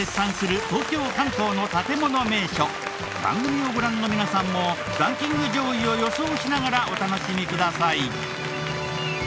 番組をご覧の皆さんもランキング上位を予想しながらお楽しみください。